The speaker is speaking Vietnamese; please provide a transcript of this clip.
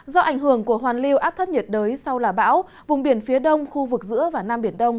do ảnh hưởng của hoàn lưu áp thấp nhiệt đới sau là bão vùng biển phía đông khu vực giữa và nam biển đông